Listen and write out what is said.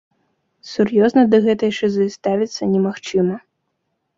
Сур'ёзна да гэтай шызы ставіцца немагчыма.